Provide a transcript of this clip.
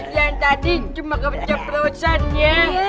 yang tadi cuma kepencet perawasannya